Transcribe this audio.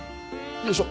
よいしょ。